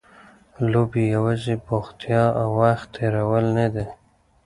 لوبې یوازې بوختیا او وخت تېرول نه دي.